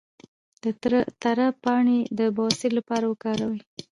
د تره پاڼې د بواسیر لپاره وکاروئ